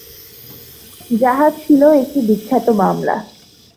যাহা ছিল একটি বিখ্যাত মামলা।